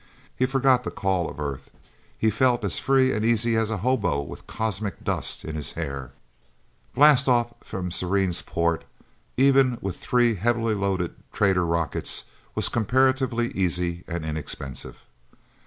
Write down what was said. He forgot the call of Earth. He felt as free and easy as a hobo with cosmic dust in his hair. Blastoff from Serene's port, even with three heavily loaded trader rockets, was comparatively easy and inexpensive.